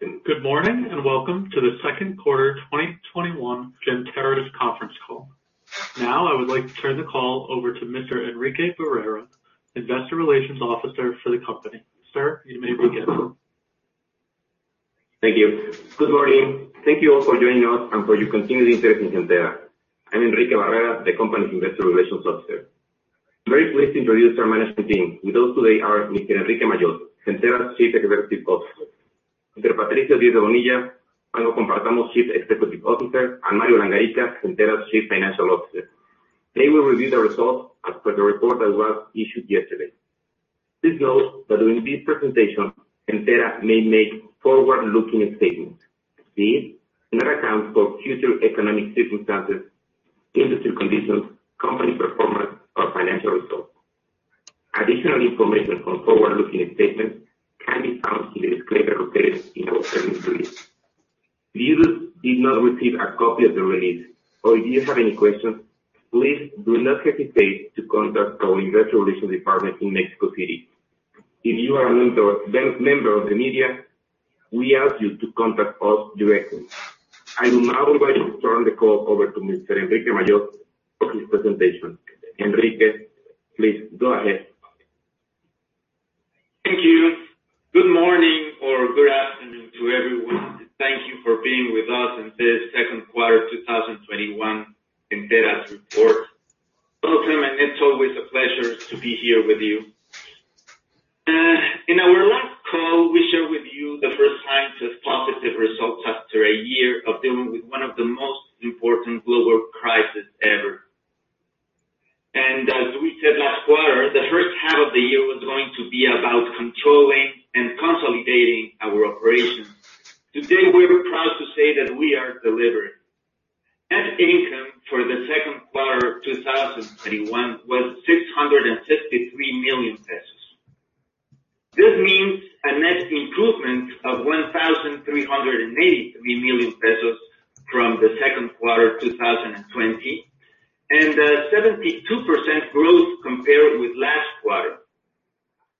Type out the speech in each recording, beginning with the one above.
Good morning, welcome to the second quarter 2021 Gentera's conference call. I would like to turn the call over to Mr. Enrique Barrera, Investor Relations Officer for the company. Sir, you may begin. Thank you. Good morning. Thank you all for joining us and for your continued interest in Gentera. I'm Enrique Barrera, the company's Investor Relations Officer. I'm very pleased to introduce our management team. With us today are Mr. Enrique Majós Ramírez, Gentera's Chief Executive Officer. Mr. Patricio Diez de Bonilla, Banco Compartamos's Chief Executive Officer. Mario Langarica, Gentera's Chief Financial Officer. They will review the results as per the report that was issued yesterday. Please note that during this presentation, Gentera may make forward-looking statements. These do not account for future economic circumstances, industry conditions, company performance, or financial results. Additional information on forward-looking statements can be found in the disclaimer located in our earnings release. If you did not receive a copy of the release, or if you have any questions, please do not hesitate to contact our Investor Relations department in Mexico City. If you are a member of the media, we ask you to contact us directly. I will now like to turn the call over to Mr. Enrique Majós Ramírez for his presentation. Enrique, please go ahead. Thank you. Good morning or good afternoon to everyone. Thank you for being with us in this second quarter 2021 Gentera's report. Welcome, and it's always a pleasure to be here with you. In our last call, we shared with you the first signs of positive results after a year of dealing with one of the most important global crisis ever. As we said last quarter, the first half of the year was going to be about controlling and consolidating our operations. Today, we are proud to say that we are delivering. Net income for the second quarter 2021 was 663 million pesos. This means a net improvement of 1,383 million pesos from the second quarter 2020, and a 72% growth compared with last quarter.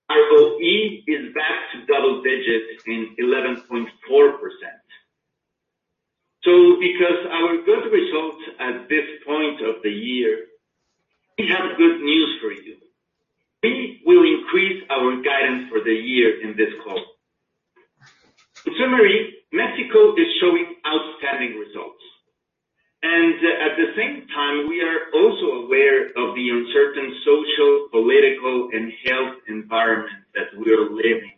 Our ROE is back to double digits in 11.4%. Because our good results at this point of the year, we have good news for you. We will increase our guidance for the year in this call. In summary, Mexico is showing outstanding results. At the same time, we are also aware of the uncertain social, political, and health environment that we are living,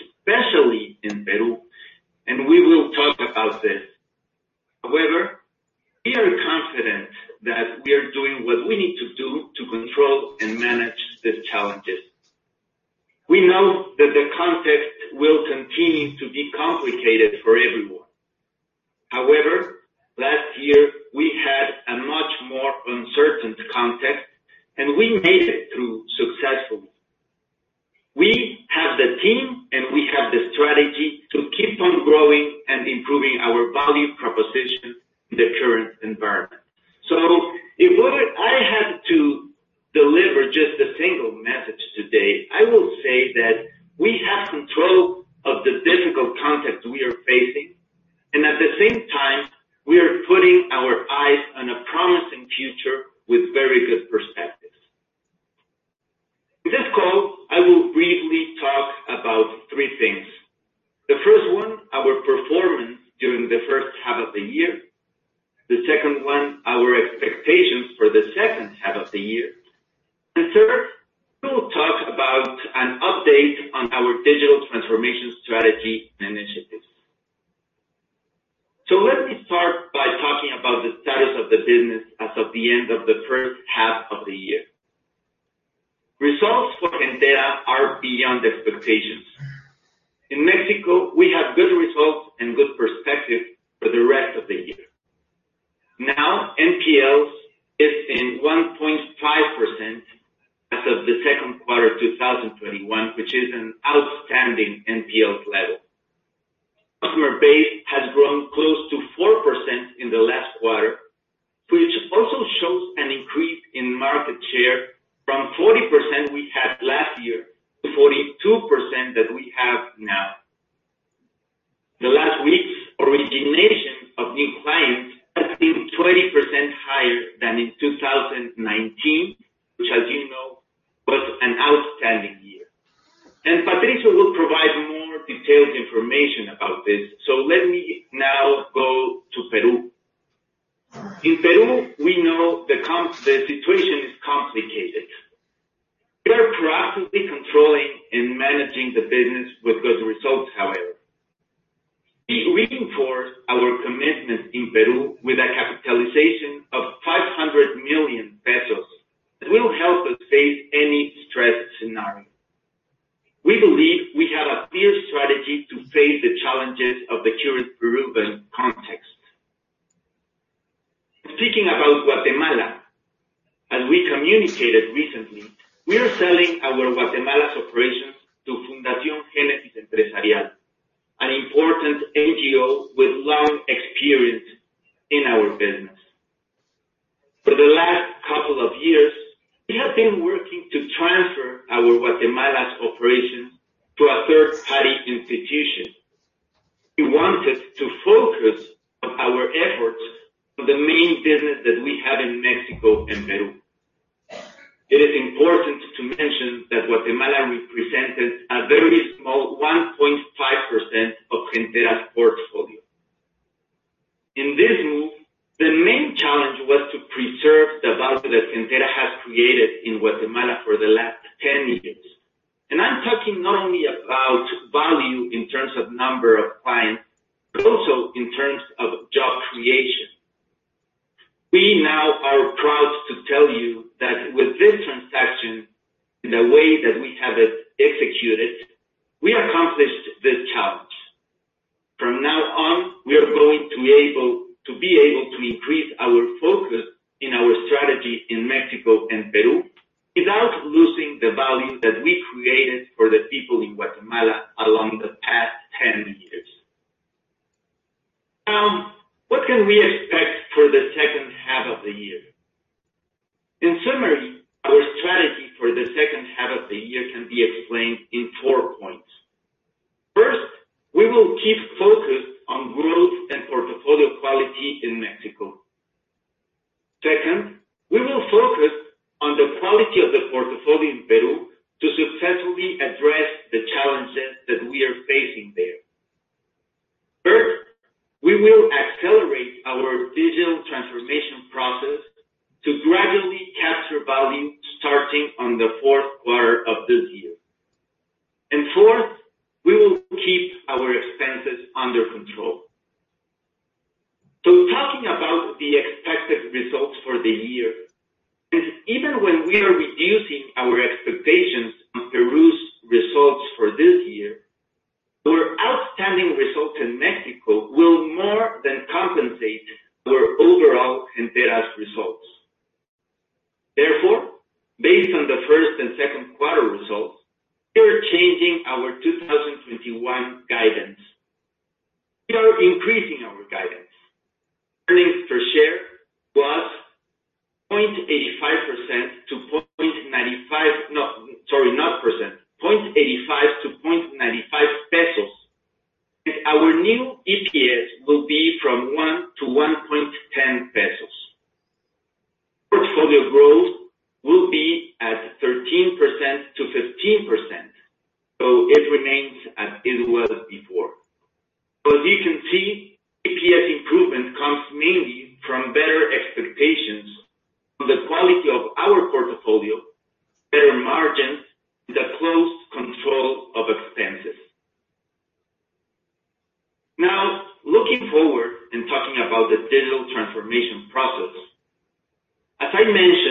especially in Peru, and we will talk about this. However, we are confident that we are doing what we need to do to control and manage the challenges. We know that the context will continue to be complicated for everyone. However, last year we had a much more uncertain context, and we made it through successfully. We have the team, and we have the strategy to keep on growing and improving our value proposition in the current environment. If I had to deliver just a single message today, I will say that we have control of the difficult context we are facing, and at the same time, we are putting our eyes on a promising future with very good perspectives. In this call, I will briefly talk about three things. The first one, our performance during the first half of the year. The second one, our expectations for the second half of the year. Third, we will talk about an update on our digital transformation strategy initiatives. Let me start by talking about the status of the business as of the end of the first half of the year. Results for Gentera are beyond expectations. In Mexico, we have good results and good perspective for the rest of the year. NPLs is in 1.5% as of the second quarter 2021, which is an outstanding NPL level. Customer base has grown close to 4% in the last quarter, which also shows an increase in market share from 40% we had last year to 42% that we have now. Patricio will provide more detailed information about this, so let me now go to Peru. In Peru, we know the situation is complicated. We are proactively controlling and managing the business with good results, however. We reinforced our commitment in Peru with a capitalization of 500 million pesos. That will help us face any stress scenario. We believe we have a clear strategy to face the challenges of the current Peruvian context. Speaking about Guatemala. As we communicated recently, we are selling our Guatemala's operations to Fundación Génesis Empresarial, an important NGO with long experience in our business. We have been working to transfer our Guatemala operations to a third-party institution. We wanted to focus our efforts on the main business that we have in Mexico and Peru. It is important to mention that Guatemala represented a very small, 1.5%, of Gentera's portfolio. In this move, the main challenge was to preserve the value that Gentera has created in Guatemala for the last 10 years. I'm talking not only about value in terms of number of clients, but also in terms of job creation. We now are proud to tell you that with this transaction, in the way that we have it executed, we accomplished this challenge. From now on, we are going to be able to increase our focus in our strategy in Mexico and Peru, without losing the value that we created for the people in Guatemala along the past 10 years. What can we expect for the second half of the year? In summary, our strategy for the second half of the year can be explained in four points. First, we will keep focused on growth and portfolio quality in Mexico. Second, we will focus on the quality of the portfolio in Peru to successfully address the challenges that we are facing there. Third, we will accelerate our digital transformation process to gradually capture value, starting on the fourth quarter of this year. Fourth, we will keep our expenses under control. Talking about the expected results for the year, even when we are reducing our expectations on Peru's results for this year, our outstanding results in Mexico will more than compensate our overall Gentera's results. Based on the first and second quarter results, we are changing our 2021 guidance. We are increasing our guidance. Earnings per share, plus 0.85 to 0.95 pesos. Our new EPS will be from 1 to 1.10 pesos. Portfolio growth will be at 13%-15%, so it remains as it was before. As you can see, EPS improvement comes mainly from better expectations on the quality of our portfolio, better margins, and a close control of expenses. Looking forward and talking about the digital transformation process. As I mentioned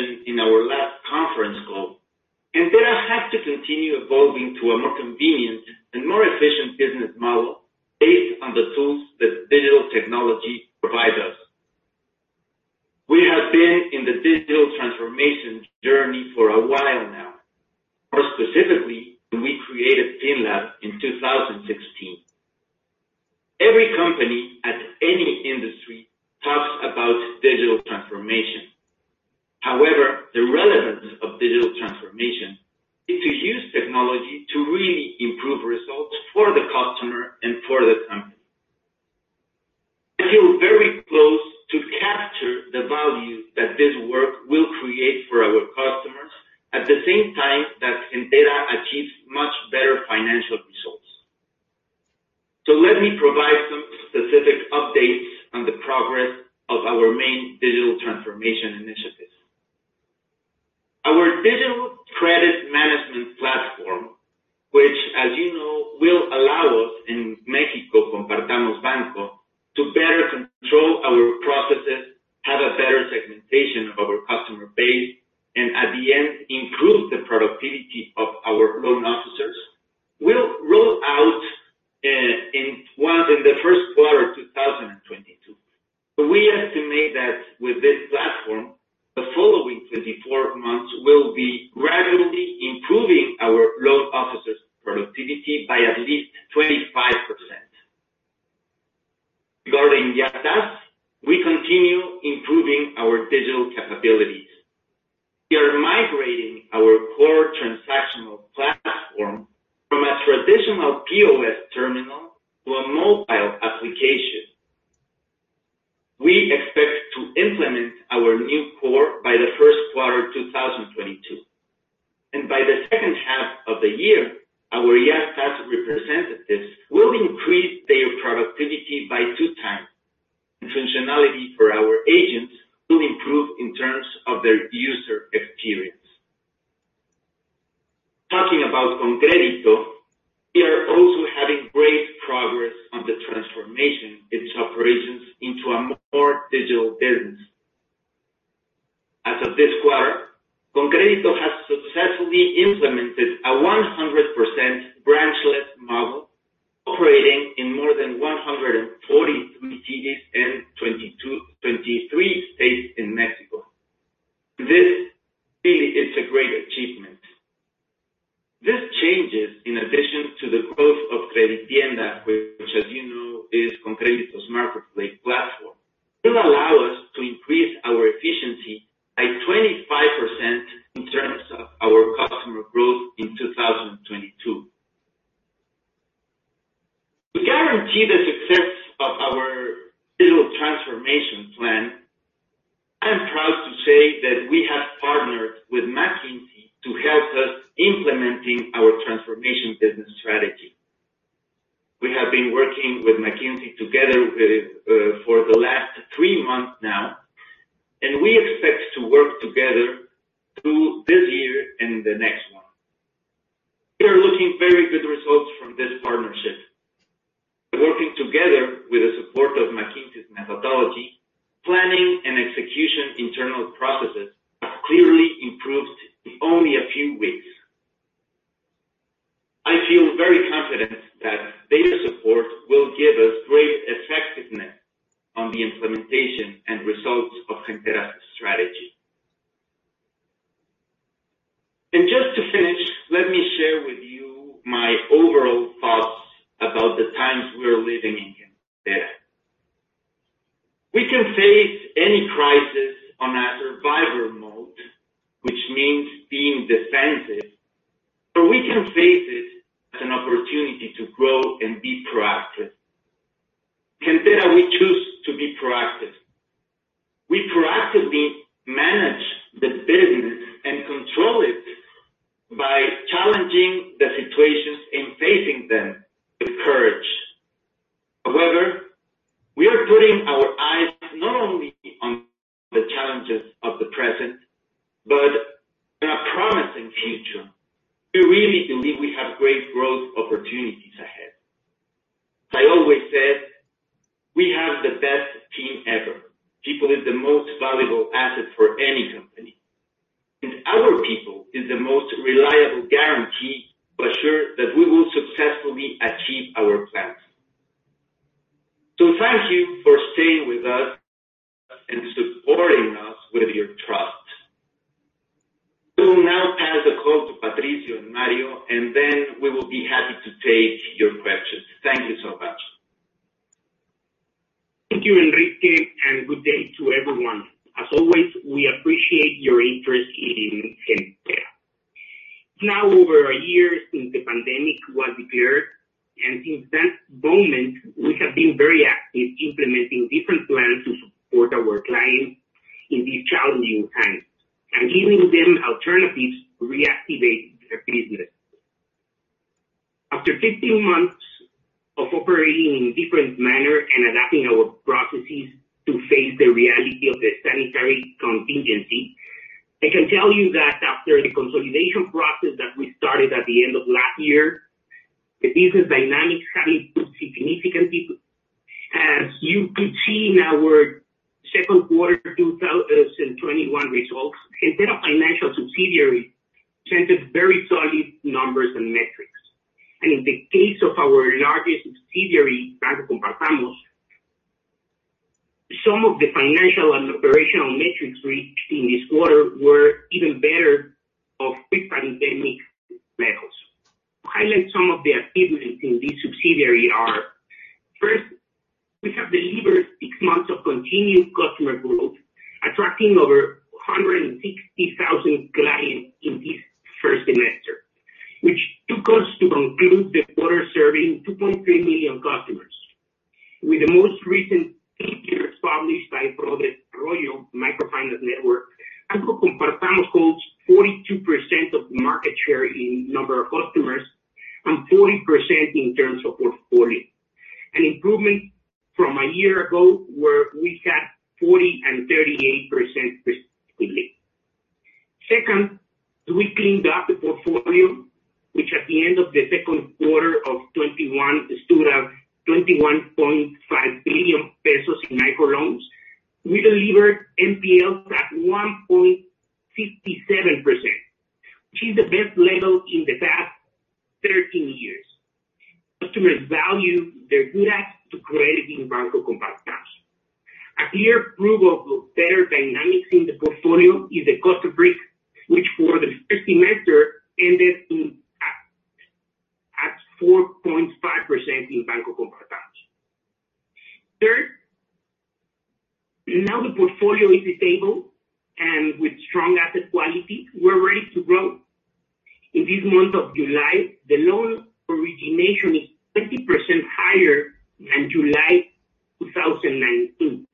about the times we are living in Gentera. We can face any crisis on a survivor mode, which means being defensive, or we can face it as an opportunity to grow and be proactive. In Gentera, we choose to be proactive. We proactively manage the business and control it by challenging the situations and facing them with courage. However, we are putting our eyes not only on the challenges of the present, but on a promising future. We really believe we have great growth opportunities ahead. As I always said, we have the best team ever. People is the most valuable asset for any company, and our people is the most reliable guarantee to assure that we will successfully achieve our plans. Thank you for staying with us and supporting us with your trust. I will now pass the call to Patricio Diez de Bonilla, and then we will be happy to take your questions. Thank you so much. Thank you, Enrique, and good day to everyone. As always, we appreciate your interest in Gentera. It's now over a year since the pandemic was declared, and since that moment, we have been very active implementing different plans to support our clients in these challenging times and giving them alternatives to reactivate their business. After 15 months of operating in different manner and adapting our processes to face the reality of the sanitary contingency, I can tell you that after the consolidation process that we started at the end of last year, the business dynamics have improved significantly. As you could see in our second quarter 2021 results, Gentera's financial subsidiaries showed very solid numbers and metrics. In the case of our largest subsidiary, Banco Compartamos, some of the financial and operational metrics reached in this quarter were even better of pre-pandemic levels. To highlight some of the achievements in this subsidiary are, first, we have delivered 6 months of continued customer growth, attracting over 160,000 clients in this 1st semester, which took us to conclude the quarter serving 2.3 million customers. With the most recent figures published by ProDesarrollo, Arroyo Microfinance Network, Banco Compartamos holds 42% of market share in number of customers and 40% in terms of portfolio. An improvement from a year ago, where we had 40% and 38%, respectively. Second, we cleaned up the portfolio, which at the end of second quarter 2021 stood at 21.5 billion pesos in microloans. We delivered NPLs at 1.57%, which is the best level in the past 13 years. Customers value their good access to credit in Banco Compartamos. A clear proof of better dynamics in the portfolio is the cost of risk, which for the first semester ended at 4.5% in Banco Compartamos. Third, now the portfolio is stable, and with strong asset quality, we're ready to grow. In this month of July, the loan origination is 20% higher than July 2019.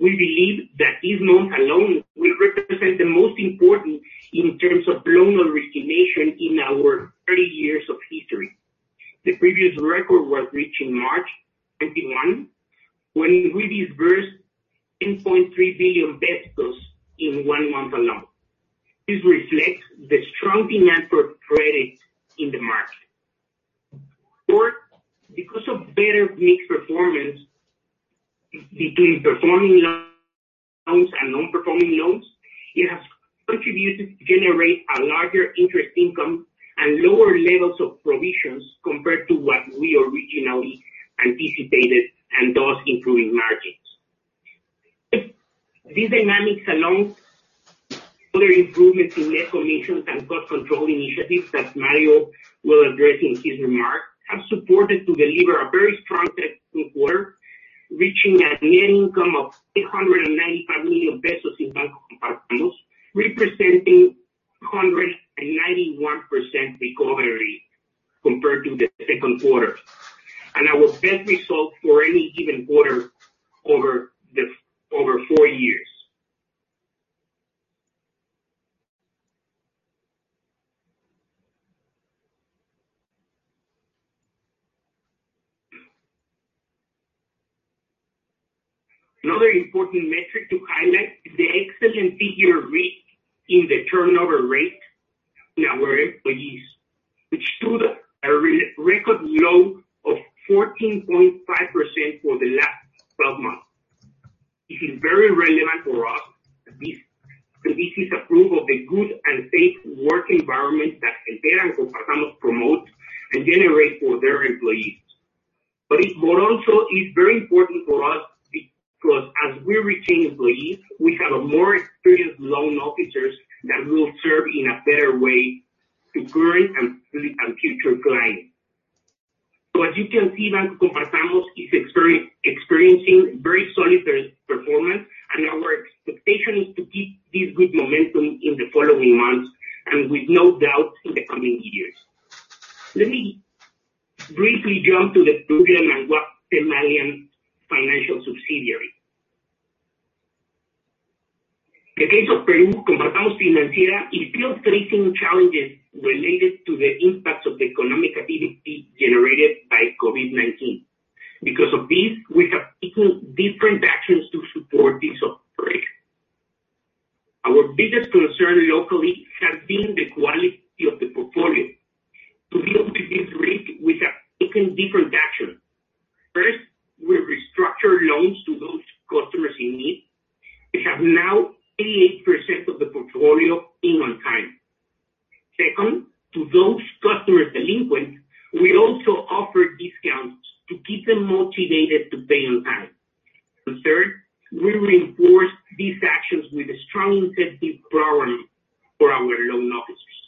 We believe that this month alone will represent the most important in terms of loan origination in our 30 years of history. The previous record was reached in March 2021, when we disbursed 10.3 billion pesos in one month alone. This reflects the strong demand for credit in the market. Fourth, because of better mixed performance between performing loans and non-performing loans, it has contributed to generate a larger interest income and lower levels of provisions compared to what we originally anticipated, and thus improving margins. These dynamics, along with other improvements in net commissions and cost control initiatives that Mario Langarica will address in his remarks, have supported to deliver a very strong second quarter, reaching a net income of 895 million pesos in Banco Compartamos, representing 191% recovery compared to the second quarter. Our best result for any given quarter over four years. Another important metric to highlight is the excellent figure reached in the turnover rate in our employees, which stood at a record low of 14.5% for the last 12 months. This is very relevant for us. This is proof of the good and safe work environment that Gentera and Compartamos promote and generate for their employees. It more also is very important for us because as we retain employees, we have a more experienced loan officers that will serve in a better way to current and future clients. As you can see, Banco Compartamos is experiencing very solid performance, and our expectation is to keep this good momentum in the following months and with no doubt in the coming years. Let me briefly jump to the Peru and Guatemala financial subsidiary. The case of Peru, Compartamos Financiera, it feels facing challenges related to the impact of the economic activity generated by COVID-19. Of this, we have taken different actions to support this operation. Our biggest concern locally has been the quality of the portfolio. To deal with this risk, we have taken different actions. First, we restructure loans to those customers in need. We have now 88% of the portfolio in on time. Second, to those customers delinquent, we also offer discounts to keep them motivated to pay on time. Third, we reinforce these actions with a strong incentive program for our loan officers.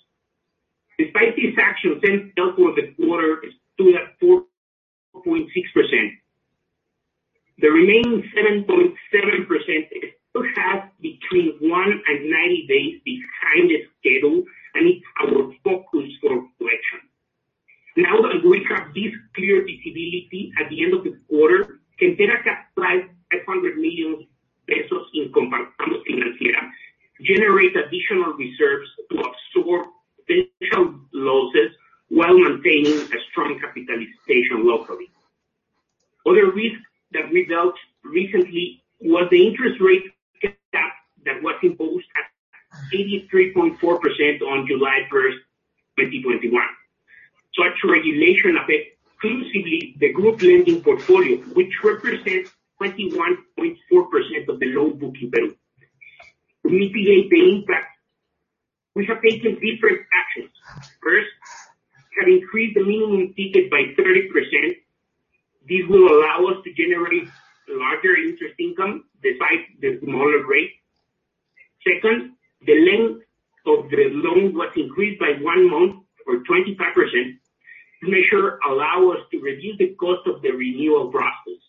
Despite these actions, the default for the quarter stood at 4.6%. The remaining 7.7% still has between 1 and 90 days behind the schedule and is our focus for collection. Now that we have this clear visibility at the end of the quarter, Gentera capitalized MXN 500 million in Compartamos Financiera, generate additional reserves to absorb potential losses while maintaining a strong capitalization locally. Other risk that we dealt recently was the interest rate cap that was imposed at 83.4% on July 1st, 2021. Such regulation affect exclusively the group lending portfolio, which represents 21.4% of the loan book in Peru. To mitigate the impact, we have taken different actions. First, we have increased the minimum ticket by 30%. This will allow us to generate larger interest income despite the smaller rate. Second, the length of the loan was increased by one month or 25%. This measure allow us to reduce the cost of the renewal process.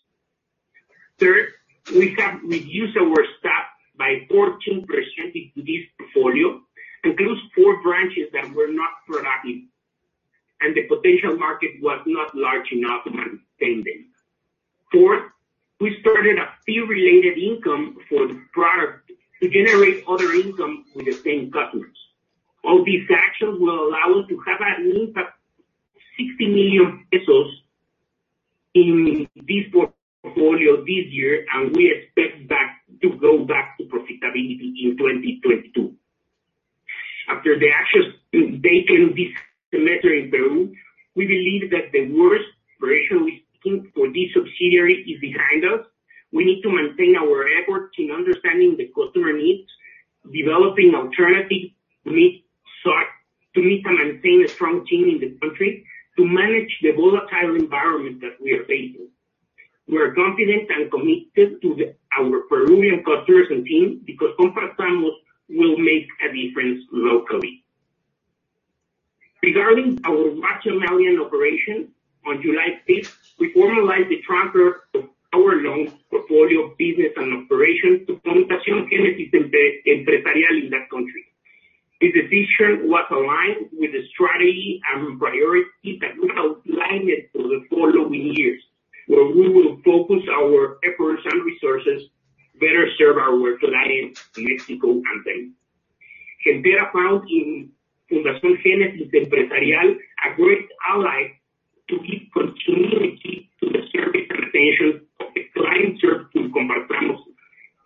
Third, we have reduced our staff by 14% in this portfolio and closed four branches that were not productive and the potential market was not large enough to maintain them. Fourth, we started a fee-related income for the product to generate other income with the same customers. All these actions will allow us to have an impact of 60 million pesos in this portfolio this year, and we expect to go back to profitability in 2022. After the actions taken this semester in Peru, we believe that the worst operation we think for this subsidiary is behind us. We need to maintain our effort in understanding the customer needs, developing alternative to meet and maintain a strong team in the country to manage the volatile environment that we are facing. We are confident and committed to our Peruvian customers and team because Compartamos will make a difference locally. Regarding our Guatemalan operation, on July 5th, we formalized the transfer of our loan portfolio business and operations to Fundación Génesis Empresarial in that country. This decision was aligned with the strategy and priority that we have outlined for the following years, where we will focus our efforts and resources to better serve our clients in Mexico and Peru. Gentera found in Fundación Génesis Empresarial a great ally to give continuity to the service expectations of the clients served through Compartamos.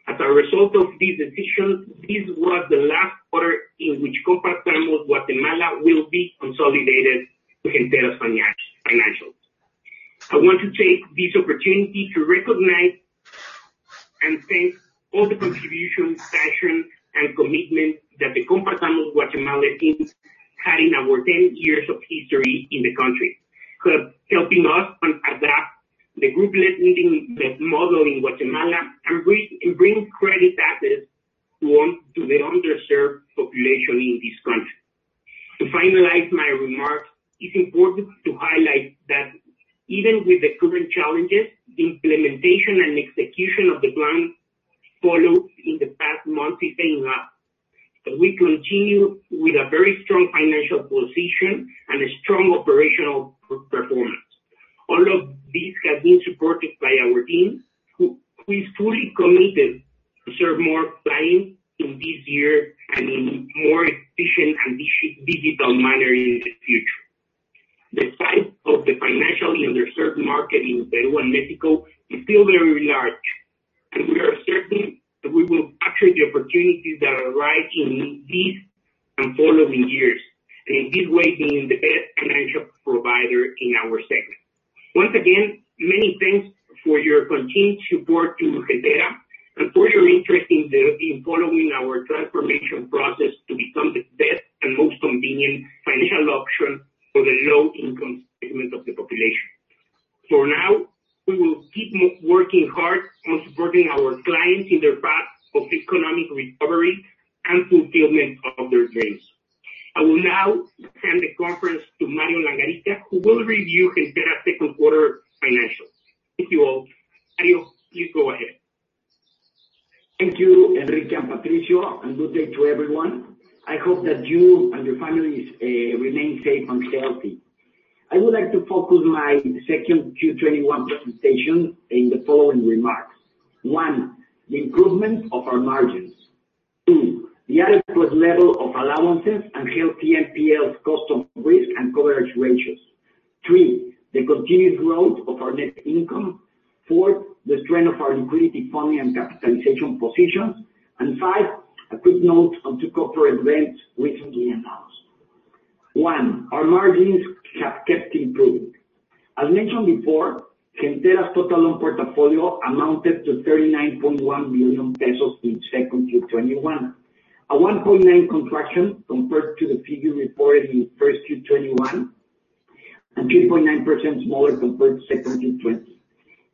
As a result of this decision, this was the last quarter in which Compartamos Guatemala will be consolidated to Gentera's financials. I want to take this opportunity to recognize and thank all the contribution commitment that the Compartamos Guatemala teams had in our 10 years of history in the country. Helping us adapt the group lending model in Guatemala and bring credit access to the underserved population in this country. To finalize my remarks, it is important to highlight that even with the current challenges, the implementation and execution of the plan followed in the past months is paying off, and we continue with a very strong financial position and a strong operational performance. All of this has been supported by our team, who is fully committed to serve more clients in this year and in a more efficient and digital manner in the future. The size of the financially underserved market in Peru and Mexico is still very large, and we are certain that we will capture the opportunities that arise in this and following years, and in this way, being the best financial provider in our segment. Once again, many thanks for your continued support to Gentera and for your interest in following our transformation process to become the best and most convenient financial option for the low-income segment of the population. For now, we will keep working hard on supporting our clients in their path of economic recovery and fulfillment of their dreams. I will now hand the conference to Mario Langarica, who will review Gentera's second quarter financials. Thank you all. Mario, please go ahead. Thank you, Enrique and Patricio, good day to everyone. I hope that you and your families remain safe and healthy. I would like to focus my 2Q 2021 presentation in the following remarks. One, the improvement of our margins. Two, the adequate level of allowances and healthy NPLs cost of risk and coverage ratios. Three, the continued growth of our net income. Four, the strength of our liquidity funding and capitalization positions. Five, a quick note on two corporate events recently announced. One, our margins have kept improving. As mentioned before, Gentera's total loan portfolio amounted to 39.1 billion pesos in 2Q 2021, a 1.9% contraction compared to the figure reported in first quarter 2021, and 3.9% smaller compared to 2Q 2020.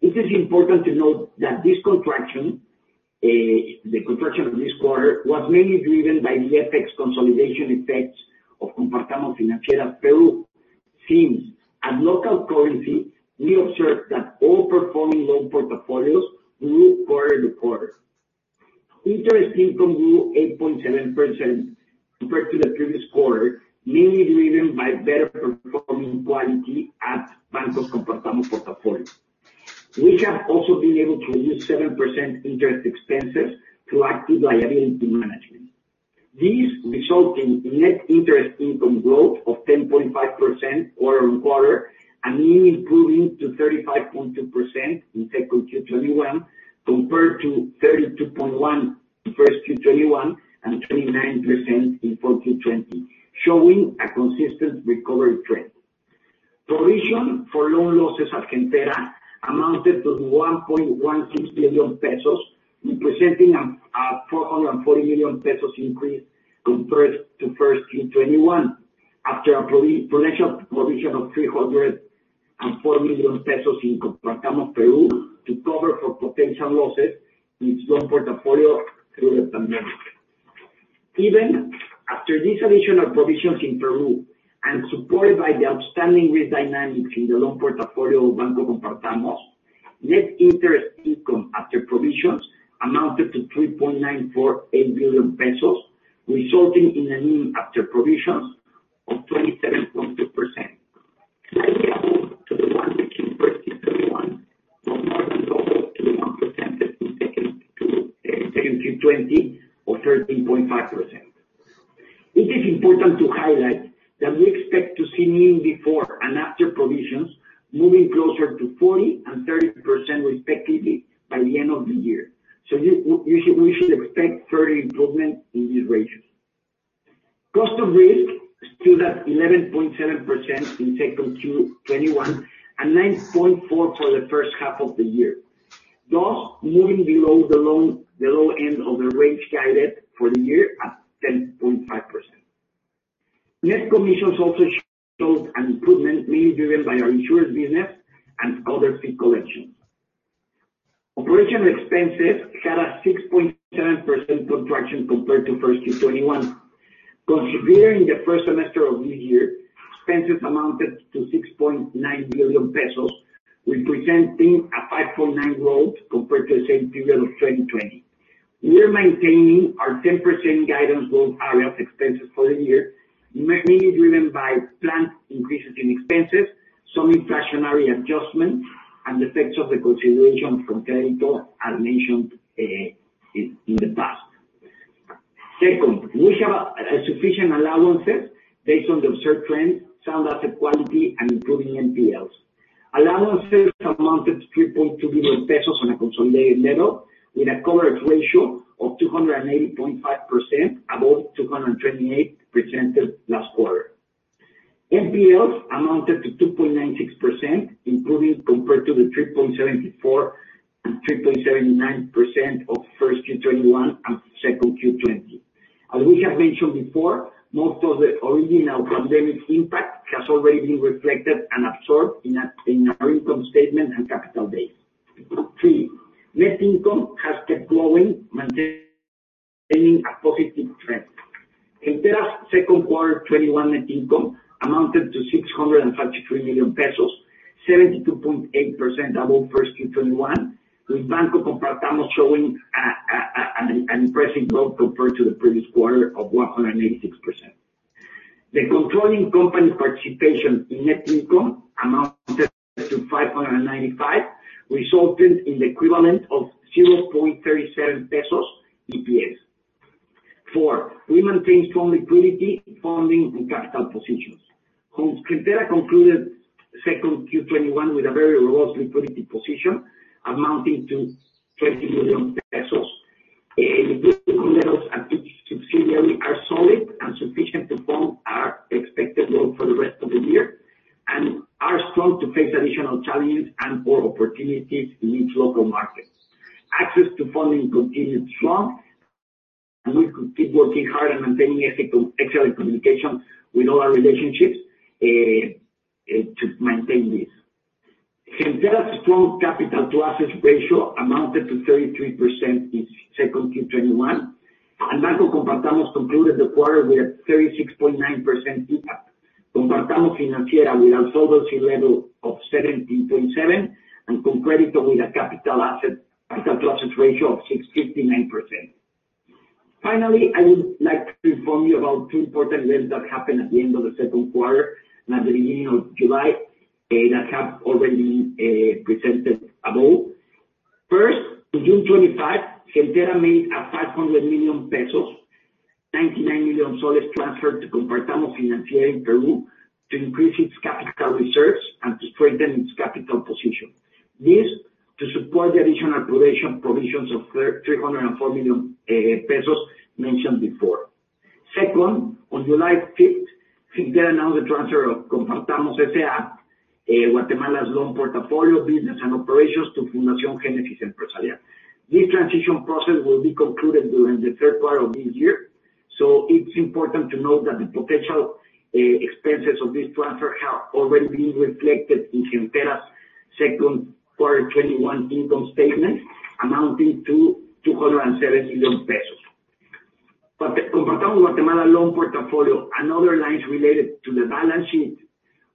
It is important to note that the contraction of this quarter was mainly driven by the FX consolidation effects of Compartamos Financiera Peru. Since at local currency, we observed that all performing loan portfolios grew quarter-to-quarter. Interest income grew 8.7% compared to the previous quarter, mainly driven by better-performing quality at Banco Compartamos portfolio. We have also been able to reduce 7% interest expenses through active liability management. These result in net interest income growth of 10.5% quarter-on-quarter and NIM improving to 35.2% in 2Q 2021 compared to 32.1% in first quarter 2021 and 29% in fourth quarter 2020, showing a consistent recovery trend. Provision for loan losses at Gentera amounted to 1.16 billion pesos, representing a 440 million pesos increase compared to first quarter 2021 after a provision of 304 million pesos in Compartamos Peru to cover for potential losses in its loan portfolio through September. Even after this additional provisions in Peru, and supported by the outstanding risk dynamics in the loan portfolio of Banco Compartamos, net interest income after provisions amounted to 3.948 billion pesos, resulting in a NIM after provisions of 27.2%, slightly above to the one reached in 2Q 2021, but more than double to the one presented in 2Q 2020 of 13.5%. It is important to highlight that we expect to see NIM before and after provisions moving closer to 40% and 30%, respectively, by the end of the year. We should expect further improvement in these ratios. Cost of risk stood at 11.7% in 2Q 2021 and 9.4% for the first half of the year, thus moving below the low end of the range guided for the year at 10.5%. Net commissions also showed an improvement, mainly driven by our insurance business and other fee collections. Operational expenses had a 6.7% contraction compared to first quarter 2021. Considering the first semester of this year, expenses amounted to 6.9 billion pesos, representing a 5.9% growth compared to the same period of 2020. We are maintaining our 10% guidance growth area of expenses for the year, mainly driven by planned increases in expenses, some inflationary adjustments, and effects of the consolidation of ConCrédito, as mentioned in the past. Second, we have sufficient allowances based on the observed trends, sound asset quality, and improving NPLs. Allowances amounted to 3.2 billion pesos on a consolidated level with a coverage ratio of 280.5%, above 228% presented last quarter. NPLs amounted to 2.96%, improving compared to the 3.74% and 3.79% of first quarter 2021 and 2Q 2020. As we have mentioned before, most of the original pandemic impact has already been reflected and absorbed in our income statement and capital base. Three, net income has kept growing, maintaining a positive trend. Gentera second quarter 2021 net income amounted to 653 million pesos, 72.8% above first quarter 2021, with Banco Compartamos showing an impressive growth compared to the previous quarter of 186%. The controlling company's participation in net income amounted to 595 million, resulting in the equivalent of 0.37 pesos EPS. Four, we maintain strong liquidity, funding, and capital positions. Gentera concluded 2Q 2021 with a very robust liquidity position amounting to MXN 20 million. Liquidity levels at each subsidiary are solid and sufficient to fund our expected loan for the rest of the year, and are strong to face additional challenges and/or opportunities in each local market. Access to funding continued strong, and we keep working hard on maintaining excellent communication with all our relationships to maintain this. Gentera's strong capital-to-asset ratio amounted to 33% in 2Q 2021, and Banco Compartamos concluded the quarter with a 36.9% CAPA. Compartamos Financiera with a solvency level of 17.7%, and ConCrédito with a capital-to-asset ratio of 69%. Finally, I would like to inform you about two important events that happened at the end of the second quarter and at the beginning of July that have already been presented above. First, on June 25, Gentera made a 500 million pesos, PEN 99 million transfer to Compartamos Financiera in Peru to increase its capital reserves and to strengthen its capital position. This to support the additional provisions of 304 million pesos mentioned before. Second, on July 5th, Gentera announced the transfer of Compartamos S.A., Guatemala's loan portfolio business and operations to Fundación Génesis Empresarial. This transition process will be concluded during the third quarter of this year. It's important to note that the potential expenses of this transfer have already been reflected in Gentera's 2Q 2021 income statement, amounting to 207 million pesos. The Compartamos Guatemala loan portfolio and other lines related to the balance sheet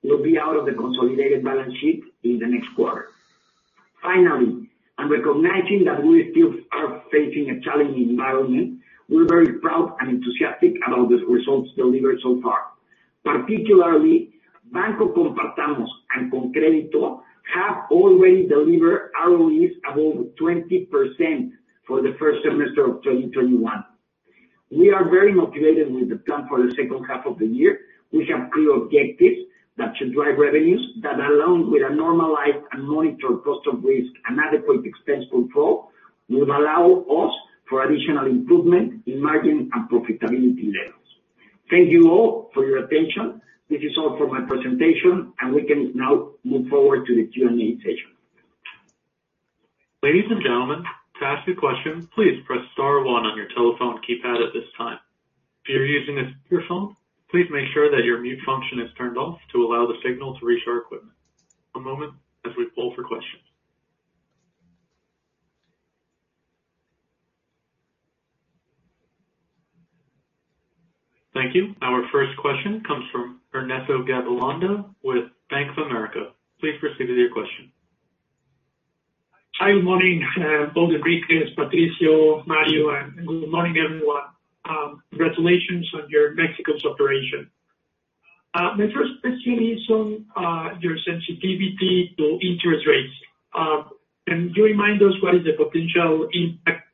will be out of the consolidated balance sheet in the next quarter. Finally, and recognizing that we still are facing a challenging environment, we're very proud and enthusiastic about the results delivered so far. Particularly, Banco Compartamos and ConCrédito have already delivered ROEs above 20% for the first semester of 2021. We are very motivated with the plan for the second half of the year. We have clear objectives that should drive revenues, that, along with a normalized and monitored cost of risk and adequate expense control, would allow us for additional improvement in margin and profitability levels. Thank you all for your attention. This is all for my presentation, and we can now move forward to the Q&A session. Ladies and gentlemen, to ask a question, please press star one on your telephone keypad at this time. If you are using a speakerphone, please make sure that your mute function is turned off to allow the signal to reach our equipment. One moment as we poll for questions. Thank you. Our first question comes from Ernesto Gabilondo with Bank of America. Please proceed with your question. Hi, good morning, both Enrique, Patricio, Mario, and good morning, everyone. Congratulations on your Mexico operation. My first question is on your sensitivity to interest rates. Can you remind us what is the potential impact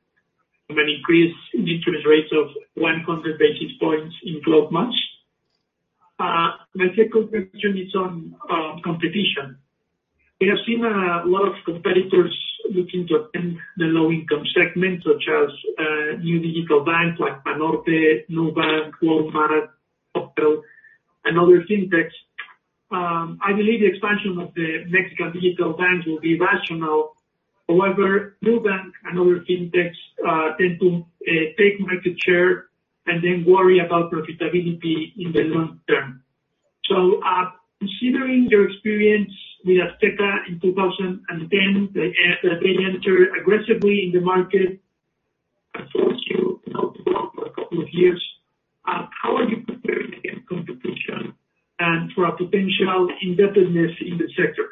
of an increase in the interest rates of 100 basis points in 12 months? My second question is on competition. We have seen a lot of competitors looking to attend the low-income segment, such as new digital banks like Banorte, Nubank, Klarna, Coppel, and other fintechs. I believe the expansion of the Mexican digital banks will be rational. Nubank and other fintechs tend to take market share and then worry about profitability in the long term. Considering your experience with Azteca in 2010, they entered aggressively in the market, and forced you to grow for a couple of years, how are you preparing against competition and for a potential indebtedness in the sector?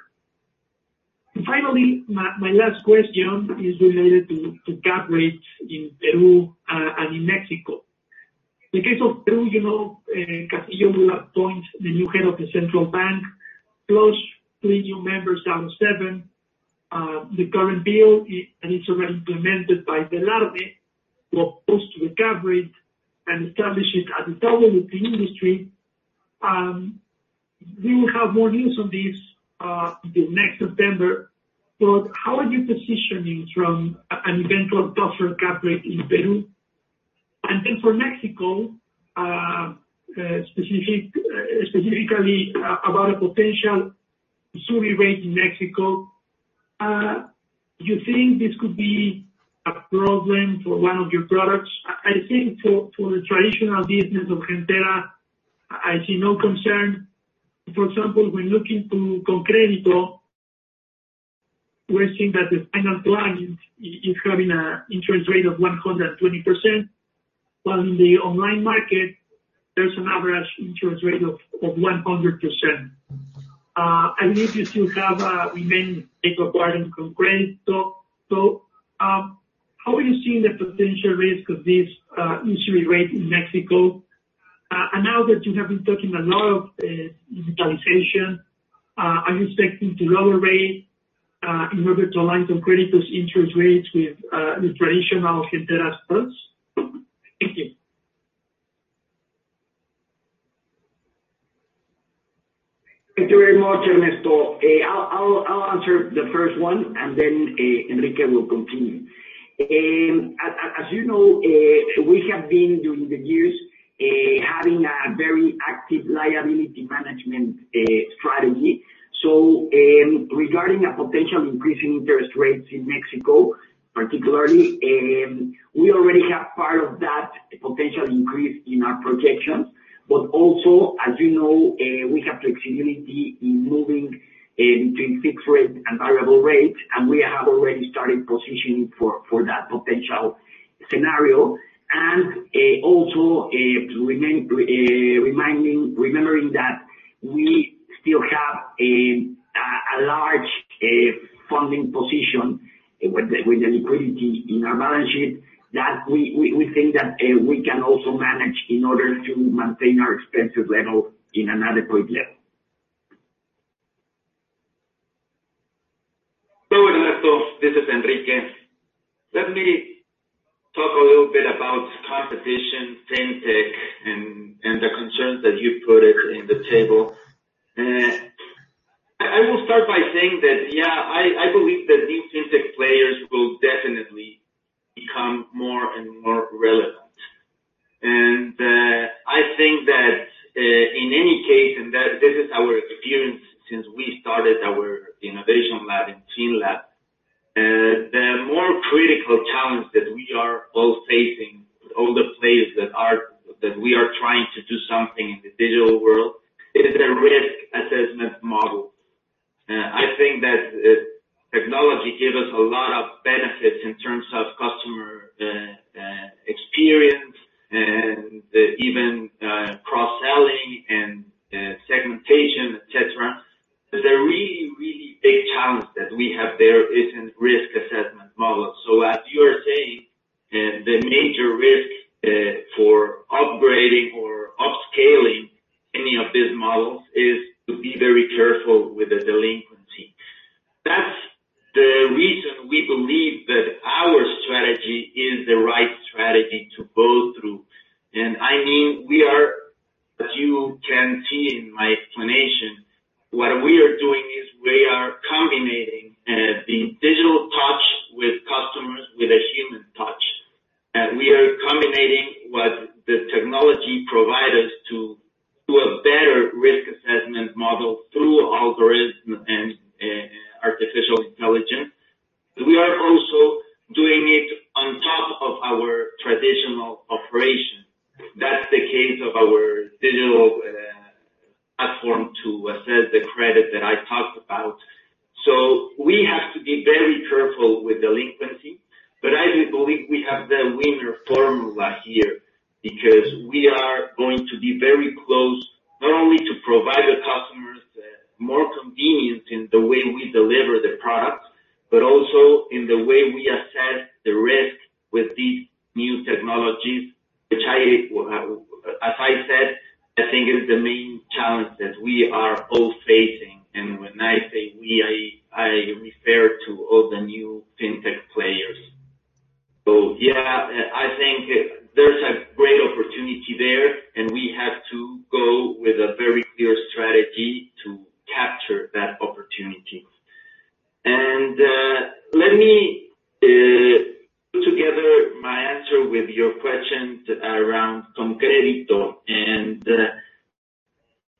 Finally, my last question is related to cap rates in Peru and in Mexico. In the case of Peru, Castillo will appoint the new head of the central bank, plus three new members out of seven. The current bill, and it's already implemented by Julio Velarde, will pose to the rate rate and establish it at the table with the industry. We will have more news on this this next September. How are you positioning from an eventual tougher cap rate in Peru? Then for Mexico, specifically about a potential usury rate in Mexico, do you think this could be a problem for one of your products? I think for the traditional business of Gentera, I see no concern. For example, when looking to ConCrédito, we're seeing that the final client is having an interest rate of 120%, while in the online market there's an average interest rate of 100%. We still have many requirements from ConCrédito. How are you seeing the potential risk of this usury rate in Mexico? Now that you have been talking a lot of digitalization, are you expecting to lower rates in order to align ConCrédito's interest rates with the traditional Gentera's products? Thank you. Thank you very much, Ernesto Gabilondo. I'll answer the first one, and then Enrique will continue. As you know, we have been, during the years, having a very active liability management strategy. Regarding a potential increase in interest rates in Mexico particularly, we already have part of that potential increase in our projections. Also, as you know, we have flexibility in moving between fixed rate and variable rate, and we have already started positioning for that potential scenario. Also remembering that we still have a large funding position with the liquidity in our balance sheet, that we think that we can also manage in order to maintain our expenses level in an adequate level. Ernesto, this is Enrique. Let me talk a little bit about competition, FinTech, and the concerns that you put it in the table. I will start by saying that, yeah, I believe that these FinTech players will definitely become more and more relevant. I think that in any case, and this is our experience since we started our innovation lab and Fiinlab, the more critical challenge that we are all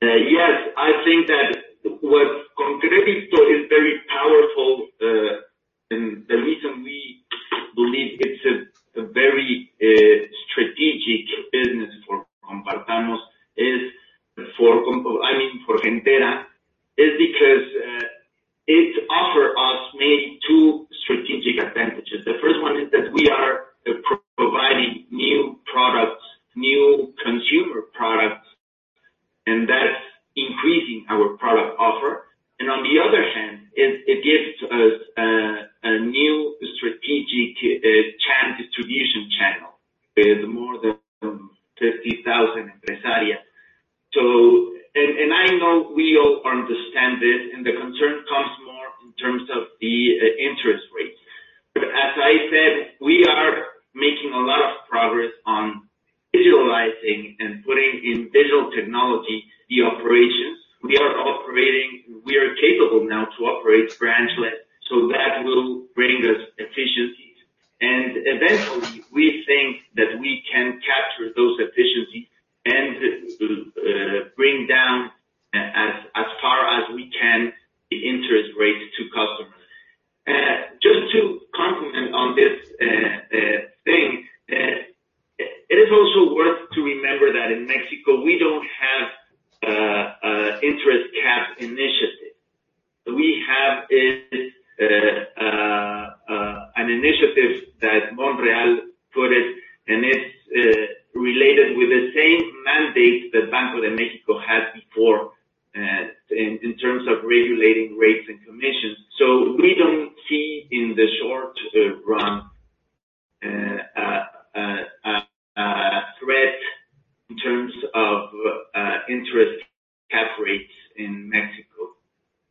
Yes, I think that what ConCrédito is very powerful, and the reason we believe it's a very strategic business for Gentera, is because it offer us mainly two strategic advantages. The first one is that we are providing new products, new consumer products, and that's increasing our product offer. On the other hand, it gives us a new strategic distribution channel with more than 50,000 empresarios. I know we all understand this, and the concern comes more in terms of the interest rates. As I said, we are making a lot of progress and putting in digital technology the operations. We are capable now to operate branchless. That will bring us efficiencies. Eventually, we think that we can capture those efficiencies and bring down, as far as we can, the interest rates to customers. Just to complement on this thing, it is also worth to remember that in Mexico, we don't have interest cap initiative. We have an initiative that Monreal put it, and it's related with the same mandate that Banco de México had before in terms of regulating rates and commissions. We don't see, in the short run, a threat in terms of interest rate cap in Mexico.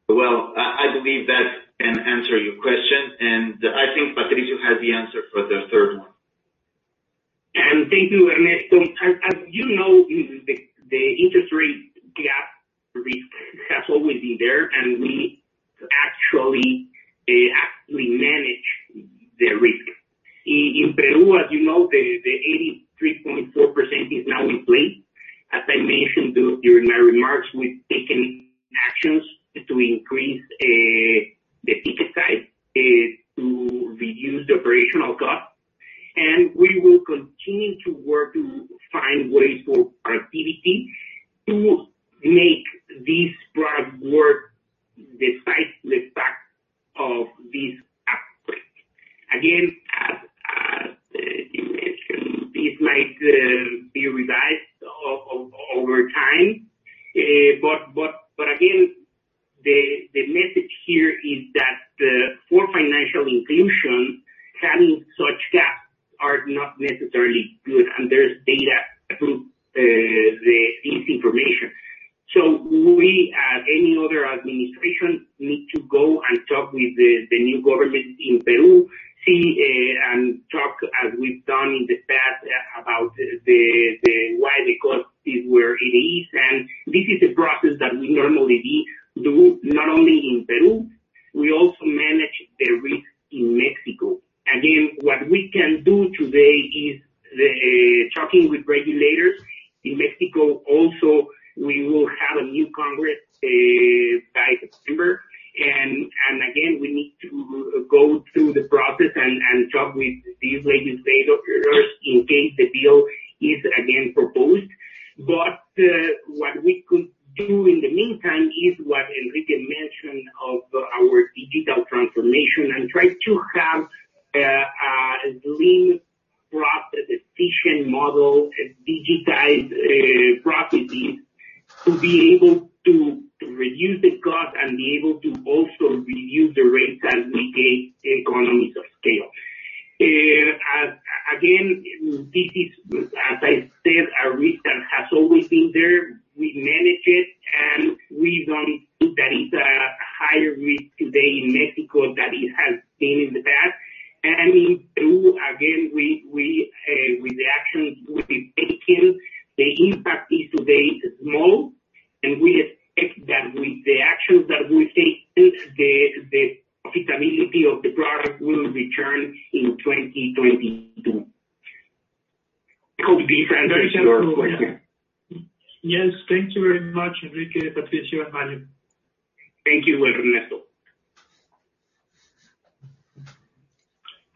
Well, I believe that can answer your question, and I think Patricio has the answer for the third one. Thank you, Ernesto. As you know, the interest rate cap risk has always been there, and we actually manage the risk. In Peru, as you know, the 83.4% is now in play. As I mentioned during my remarks, we've taken actions to increase the ticket size to reduce the operational cost. We will continue to work to find ways for profitability to make this product work despite the fact of this outbreak. Again, as you mentioned, this might be revised over time. Again, the message here is that for financial inclusion, having such gaps are not necessarily good, and there's data to prove this information. We, as any other administration, need to go and talk with the new government in Peru, see and talk, as we've done in the past, about why the cost is where it is. This is a process that we normally do, not only in Peru. We also manage the risk in Mexico. Again, what we can do today is talking with regulators. In Mexico also, we will have a new Congress by September. Again, we need to go through the process and talk with these legislators in case the bill is again proposed. What we could do in the meantime is what Enrique mentioned of our digital transformation and try to have a lean process, efficient model, digitized processes to be able to reduce the cost and be able to also reduce the rates as we gain economies of scale. Again, this is, as I said, a risk that has always been there. We manage it, and we don't think that it's a higher risk today in Mexico than it has been in the past. In Peru, again, with the actions we've been taking, the impact is today small, and we expect that with the actions that we take, the profitability of the product will return in 2022. Hope to answer your question. Yes. Thank you very much, Enrique, Patricio, and Mario Langarica. Thank you, Ernesto.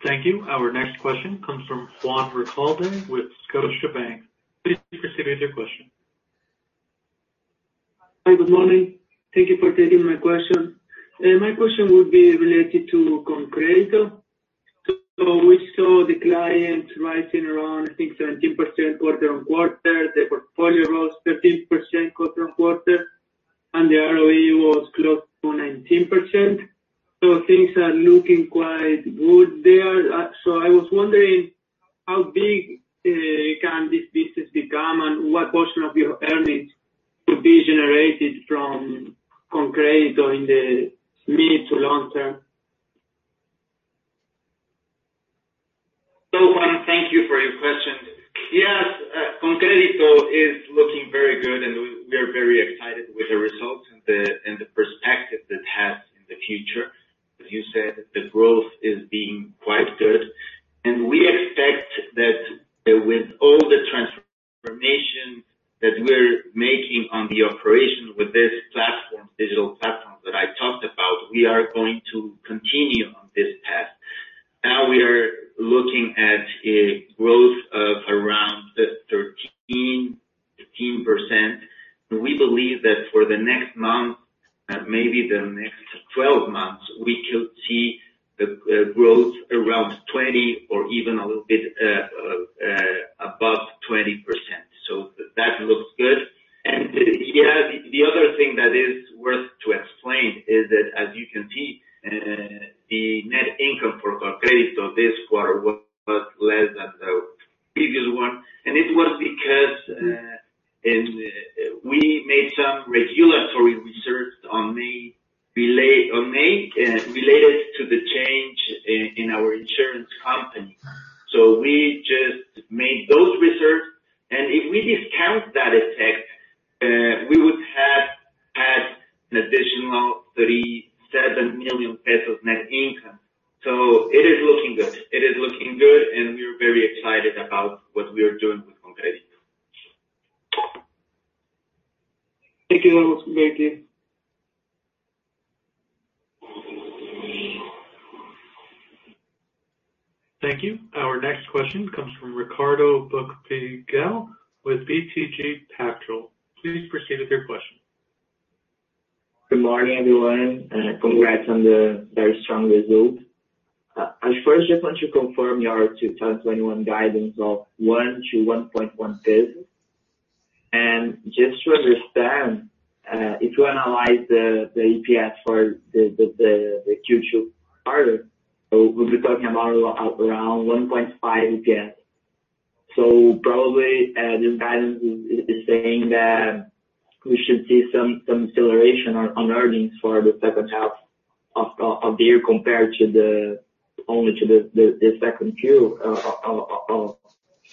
Thank you. Our next question comes from Juan Recalde with Scotiabank. Please proceed with your question. Hi. Good morning. Thank you for taking my question. My question would be related to ConCrédito. We saw the client rising around, I think, 17% quarter-on-quarter. The portfolio was 13% quarter-on-quarter, and the ROE was close to 19%. Things are looking quite good there. I was wondering how big can this business become, and what portion of your earnings could be generated from ConCrédito in the mid to long term? Juan, thank you for your question. Yes, ConCrédito is looking very good, and we are very excited with the results and the perspective this has in the future. As you said, the growth is being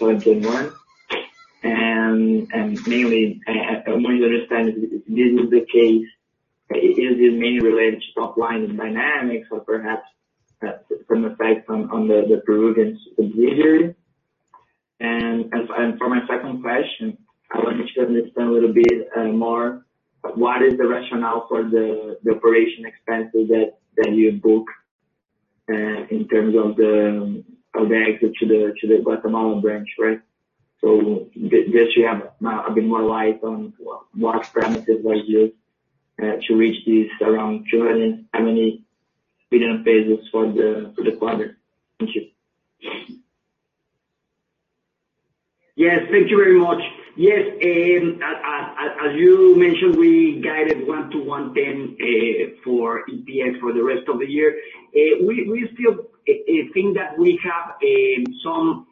2021. Mainly, I want to understand, if this is the case, is it mainly related to top line dynamics or perhaps some effect on the Peruvian subsidiary? For my second question, I wanted to understand a little bit more, what is the rationale for the operation expenses that you book in terms of the exit to Compartamos Guatemala, right? Just you have a bit more light on what premises were used to reach these around 270 million pesos for the quarter. Thank you. Thank you very much. As you mentioned, we guided 1 to 1.10 EPS for the rest of the year. We still think that we have some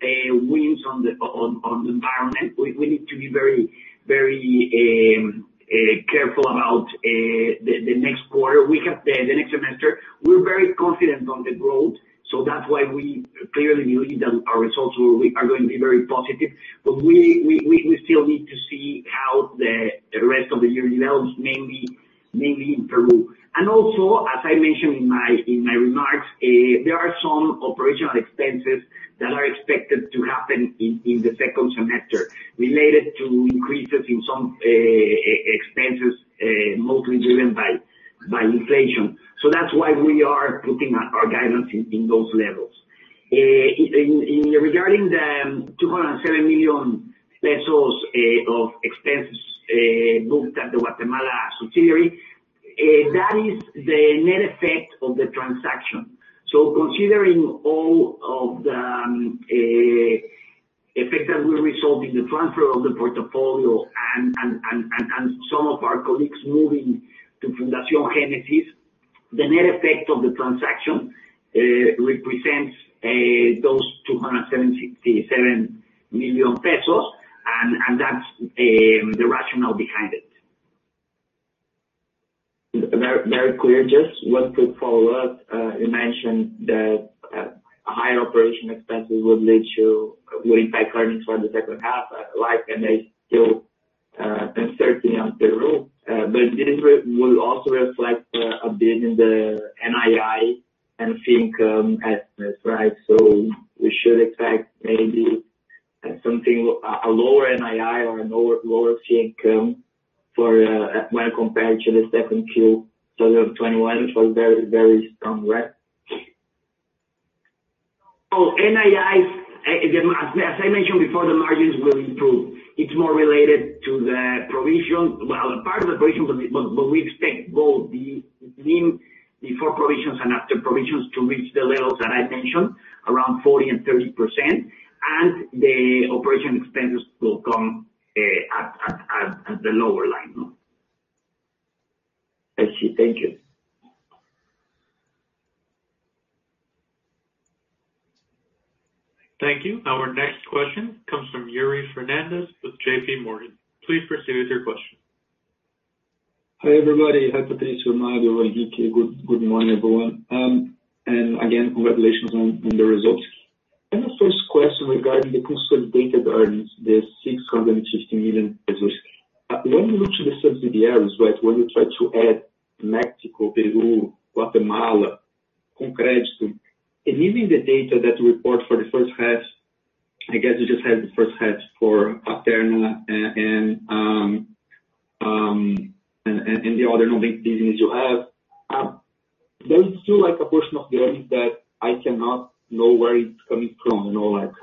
wins on the environment. We need to be very careful about the next quarter. We have the next semester. We're very confident on the growth, that's why we clearly believe that our results are going to be very positive. We still need to see how the rest of the year develops, mainly in Peru. Also, as I mentioned in my remarks, there are some operational expenses that are expected to happen in the second semester related to increases in some expenses, mostly driven by inflation. That's why we are putting our guidance in those levels. Regarding the 270 million pesos of expenses booked at the Guatemala subsidiary, that is the net effect of the transaction. Considering all of the effect that will result in the transfer of the portfolio and some of our colleagues moving to Fundación Génesis Empresarial, the net effect of the transaction represents those 277 million pesos, and that's the rationale behind it. Very clear. Just one quick follow-up. You mentioned that higher operation expenses will impact earnings for the second half, like. There's still uncertainty on Peru. This will also reflect a bit in the NII and fee income estimates, right? We should expect maybe a lower NII or a lower fee income when compared to the 2Q 2021, which was very strong, right? Oh, NII, as I mentioned before, the margins will improve. It's more related to the provision. Well, part of the provision, but we expect both the NIM before provisions and after provisions to reach the levels that I mentioned, around 40% and 30%, and the operating expenses will come at the lower line. I see. Thank you. Thank you. Our next question comes from Yuri Fernandes with JPMorgan. Please proceed with your question. Hi, everybody. Hi, Patricio, Mario, Enrique. Good morning, everyone. Again, congratulations on the results. I have a 1st question regarding the consolidated earnings, the 650 million. When you look to the subsidiaries, right, when you try to add Mexico, Peru, Guatemala, ConCrédito, and even the data that you report for the 1st half, I guess you just had the 1st half for Aterna and the other non-bank businesses you have. There is still a portion of the earnings that I cannot know where it's coming from.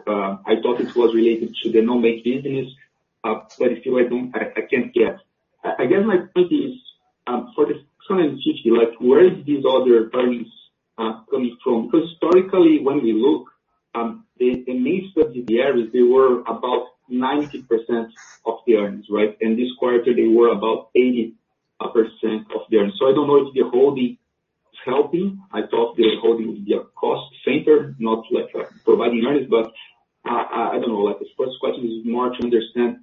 I thought it was related to the non-bank business, but I feel I can't guess. I guess my point is, for the 250, where is this other earnings coming from? Historically, when we look, the main subsidiaries, they were about 90% of the earnings, right? This quarter, they were about 80% of the earnings. I don't know if you're holding helping. I thought they were holding the cost center, not providing earnings. I don't know. The first question is more to understand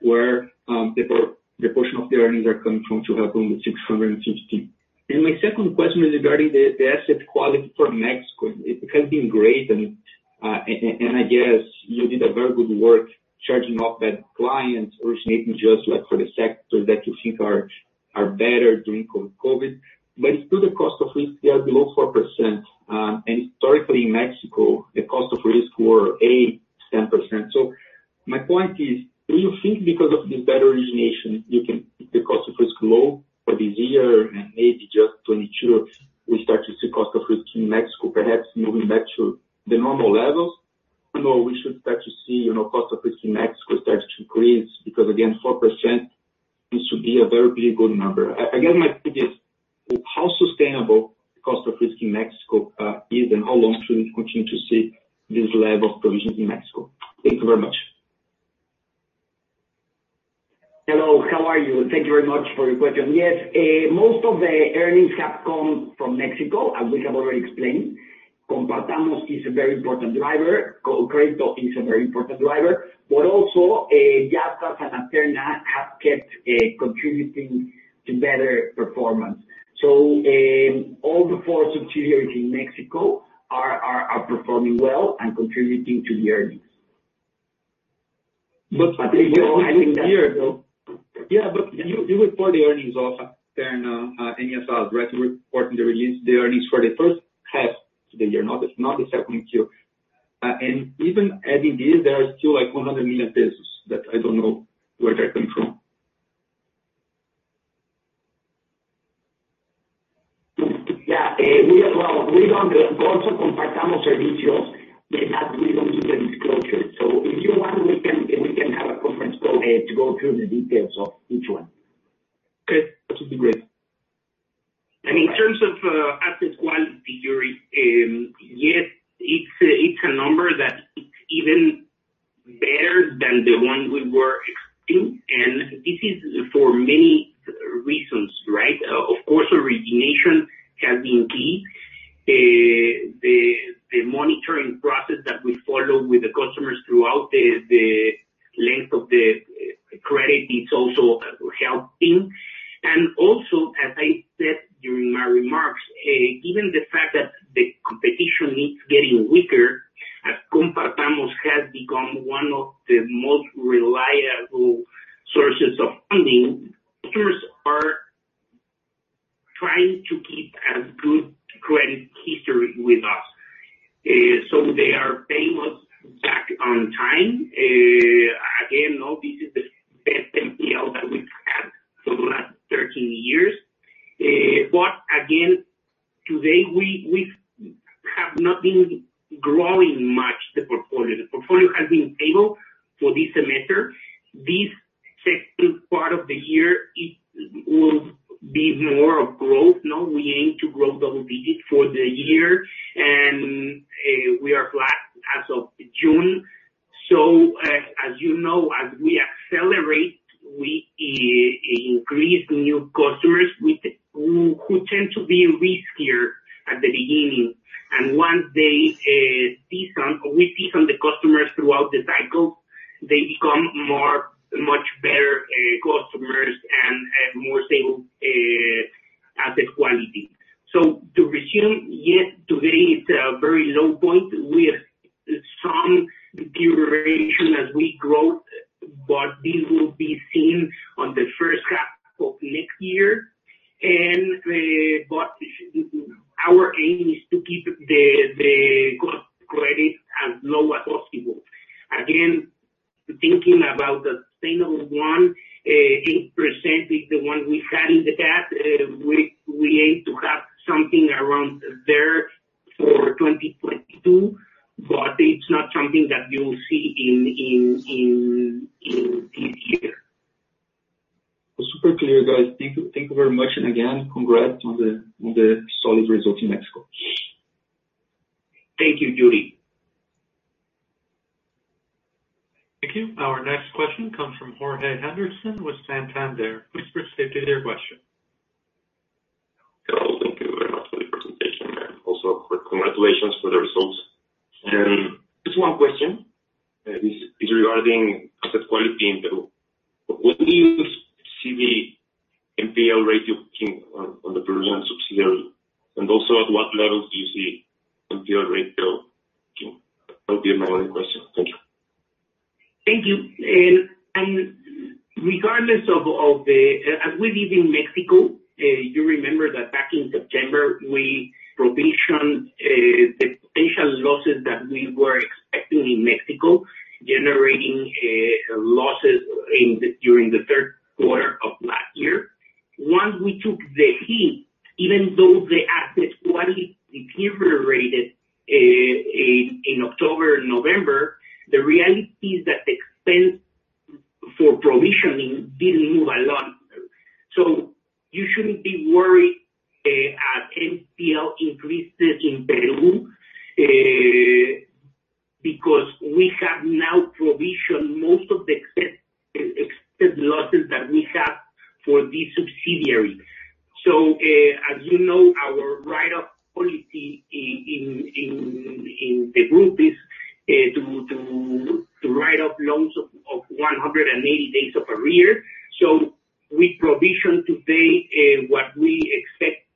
where the portion of the earnings are coming from to help them with 660. My second question is regarding the asset quality for Mexico. It has been great, and I guess you did a very good work charging off bad clients, originating just for the sectors that you think are better during COVID. Still the cost of risk, they are below 4%. Historically in Mexico, the cost of risk were 8%, 10%. My point is, do you think because of this better origination, you can keep the cost of risk low for this year and maybe just 2022, we start to see cost of risk in Mexico perhaps moving back to the normal levels? We should start to see cost of risk in Mexico start to increase, because again, 4% seems to be a very good number. Again, my point is, how sustainable the cost of risk in Mexico is, and how long should we continue to see this level of provisions in Mexico? Thank you very much. Hello, how are you? Thank you very much for your question. Yes, most of the earnings have come from Mexico, as we have already explained. Compartamos is a very important driver. ConCrédito is a very important driver. Also, Yastás and Aterna have kept contributing to better performance. All the four subsidiaries in Mexico are performing well and contributing to the earnings. You report the earnings of Aterna, Yestas, directly reporting the earnings for the first half of the year, not the second Q. Even adding this, there are still like 100 million pesos that I don't know where they come from. Yeah. We don't. Also, Compartamos Servicios, they have given you the disclosure. If you want, we can have a conference call to go through the details of each one. Okay, that would be great. In terms of asset quality, Yuri, yes, it's a number that is even better than the one we were expecting, and this is for many reasons. Of course, origination has been key. The monitoring process that we follow with the customers throughout the length of the credit is also helping. As I said during my remarks, even the fact that the competition is getting weaker, as Compartamos has become one of the most reliable sources of funding, customers are trying to keep a good credit history with us. They are paying us back on time. Again, now this is the best NPL that we've had for the last 13 years. Today, we have not been growing much the portfolio. The portfolio has been stable for this semester. This second part of the year, it will be more of growth. We aim to grow double digits for the year, and we are flat as of June. As you know, as we accelerate, we increase new customers who tend to be riskier at the beginning. Once we season the customers throughout the cycle, they become much better customers and more stable asset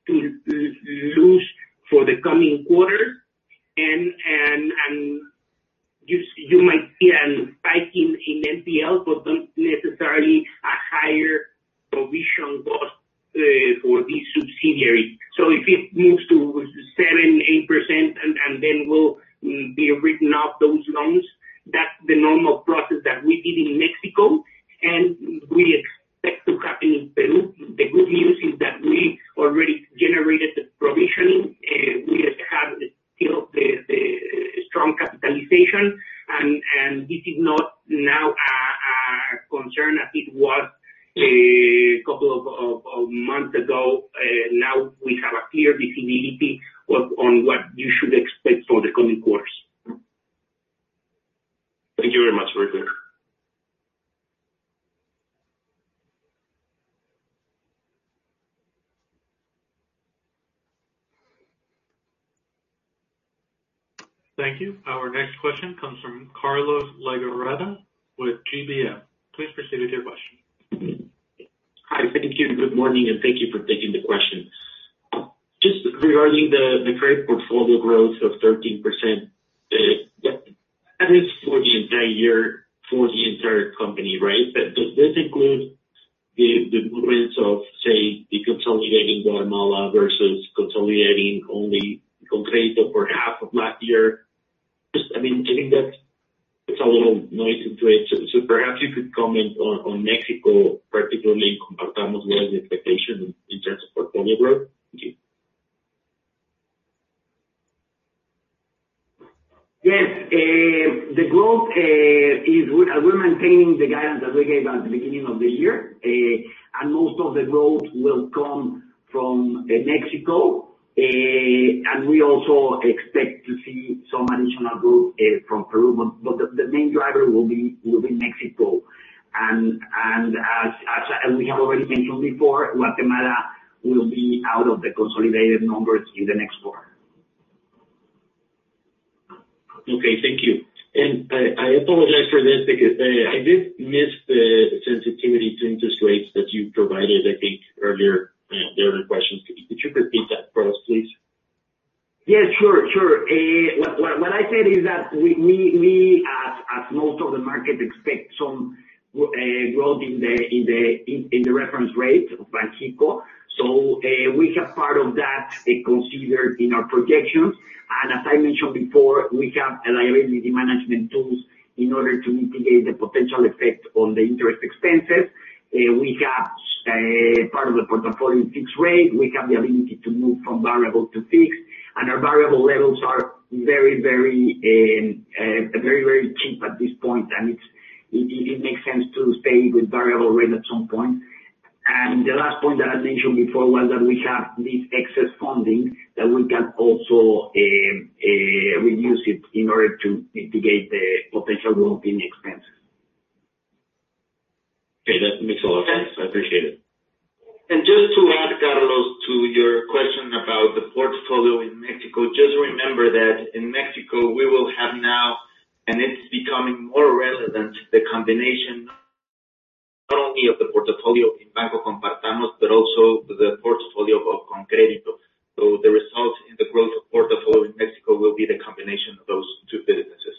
to lose for the coming quarter. You might see a spike in NPL, but not necessarily a higher provision cost for these subsidiaries. If it moves to 7%, 8%, and then we'll be writing off those loans, that's the normal process that we did in Mexico, and we expect to happen in Peru. The good news is that we already generated the provisioning. We have the strong capitalization, and this is not now a concern as it was a couple of months ago. Now we have a clear visibility on what you should expect for the coming quarters. Thank you very much, Roger. Thank you. Our next question comes from Carlos Legarreta with GBM. Please proceed with your question. Hi. Thank you. Good morning, and thank you for taking the question. Just regarding the credit portfolio growth of 13%, that is for the entire year, for the entire company, right? Does this include the movements of, say, the consolidating Guatemala versus consolidating only ConCrédito for half of last year? I think that puts a little noise into it. Perhaps you could comment on Mexico, particularly Compartamos, what are the expectations in terms of portfolio growth? Thank you. Yes. The growth is we're maintaining the guidance that we gave at the beginning of the year. Most of the growth will come from Mexico. We also expect to see some additional growth from Peru. The main driver will be Mexico. As we have already mentioned before, Guatemala will be out of the consolidated numbers in the next quarter. Okay, thank you. I apologize for this because I did miss the sensitivity to interest rates that you provided, I think earlier in the other questions. Could you repeat that for us, please? Yeah, sure. What I said is that we, as most of the market, expect some growth in the reference rate of Banxico. We have part of that considered in our projections. As I mentioned before, we have liability management tools in order to mitigate the potential effect on the interest expenses. We have part of the portfolio in fixed rate. We have the ability to move from variable to fixed, and our variable levels are very cheap at this point, and it makes sense to stay with variable rate at some point. The last point that I mentioned before was that we have this excess funding that we can also reuse it in order to mitigate the potential growth in expenses. Okay. That makes a lot of sense. I appreciate it. Just to add, Carlos, to your question about the portfolio in Mexico, just remember that in Mexico we will have now, and it's becoming more relevant, the combination not only of the portfolio in Banco Compartamos, but also the portfolio of ConCrédito. The result in the growth of portfolio in Mexico will be the combination of those two businesses.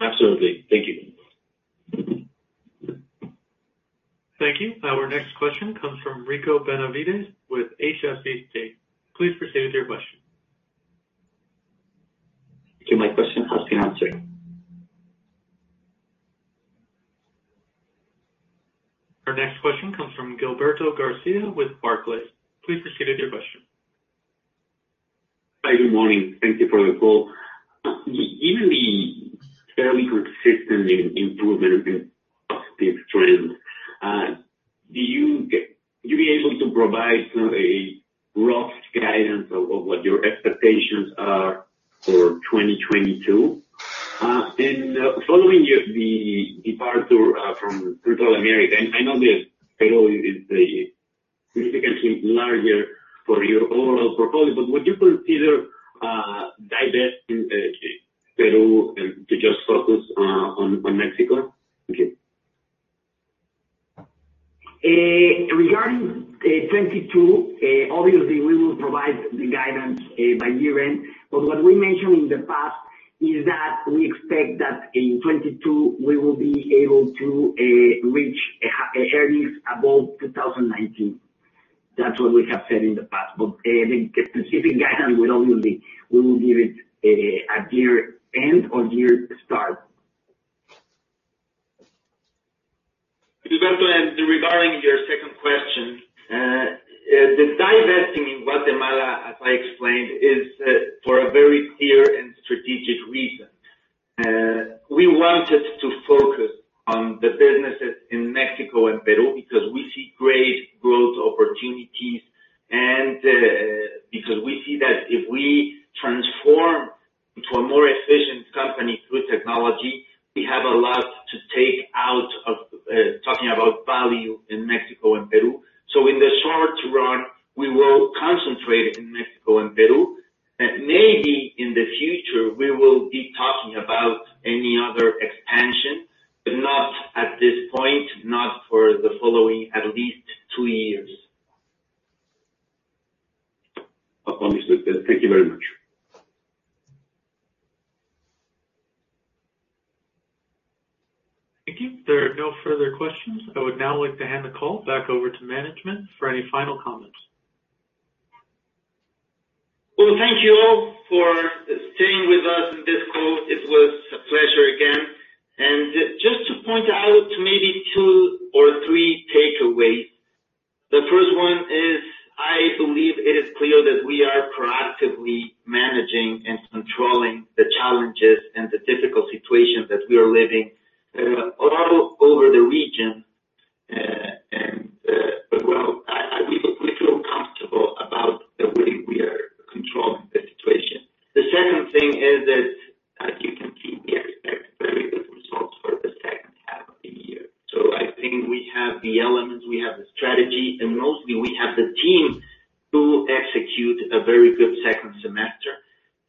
Absolutely. Thank you. Thank you. Our next question comes from Ricardo Benavides with HSBC. Please proceed with your question. Okay, my question has been answered. Our next question comes from Gilberto Garcia with Barclays. Please proceed with your question. Hi, good morning. Thank you for the call. Given the fairly consistent improvement in positive trends, would you be able to provide sort of a rough guidance of what your expectations are for 2022? Following the departure from Central America, I know that Peru is significantly larger for your overall portfolio, but would you consider divesting Peru and to just focus on Mexico? Thank you. Regarding 2022, obviously we will provide the guidance by year-end, but what we mentioned in the past is that we expect that in 2022 we will be able to reach a ROE above 2019. That's what we have said in the past. The specific guidance will obviously, we will give it at year end or year start. Gilberto, regarding your second question, the divesting in Guatemala, as I explained, is for a very clear and strategic reason. Mexico and Peru because we see great growth opportunities, and because we see that if we transform into a more efficient company through technology, we have a lot to take out of, talking about value in Mexico and Peru. In the shorter run, we will concentrate in Mexico and Peru. Maybe in the future, we will be talking about any other expansion, but not at this point, not for the following, at least two years. Understood. Thank you very much. Thank you. There are no further questions. I would now like to hand the call back over to management for any final comments. Well, thank you all for staying with us in this call. It was a pleasure again. Just to point out maybe two or three takeaways. The first one is, I believe it is clear that we are proactively managing and controlling the challenges and the difficult situations that we are living all over the region. Well, we feel comfortable about the way we are controlling the situation. The second thing is that, as you can see, we expect very good results for the second half of the year. I think we have the elements, we have the strategy, and mostly we have the team to execute a very good second semester.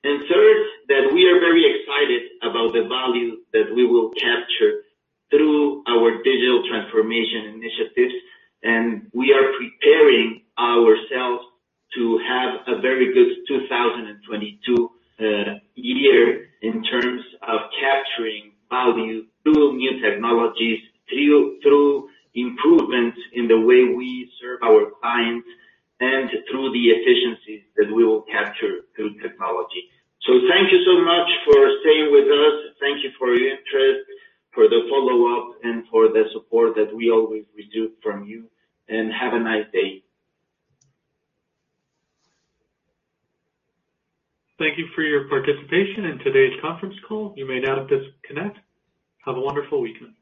Third, that we are very excited about the value that we will capture through our digital transformation initiatives. We are preparing ourselves to have a very good 2022 year in terms of capturing value through new technologies, through improvements in the way we serve our clients, and through the efficiencies that we will capture through technology. Thank you so much for staying with us. Thank you for your interest, for the follow-up, and for the support that we always receive from you, and have a nice day. Thank you for your participation in today's conference call. You may now disconnect. Have a wonderful weekend.